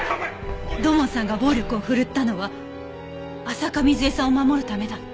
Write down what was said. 土門さんが暴力を振るったのは浅香水絵さんを守るためだった？